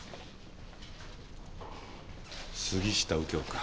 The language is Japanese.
杉下右京か。